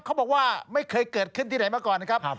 เขาบอกว่าไม่เคยเกิดขึ้นที่ไหนมาก่อนนะครับ